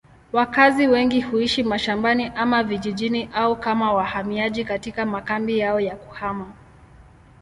Wakazi wengi huishi mashambani ama vijijini au kama wahamiaji katika makambi yao ya kuhama.